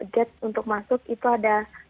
gap untuk masuk itu ada